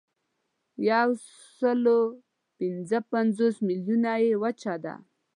یوسلاوپینځهپنځوس میلیونه یې وچه ده.